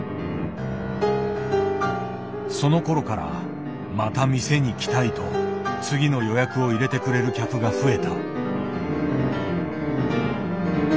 そのころから「また店に来たい」と次の予約を入れてくれる客が増えた。